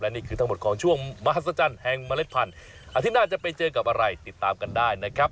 นี่คือทั้งหมดของช่วงมหัศจรรย์แห่งเมล็ดพันธุ์อาทิตย์หน้าจะไปเจอกับอะไรติดตามกันได้นะครับ